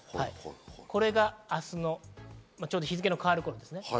これが明日のちょうど日付の変わる頃です。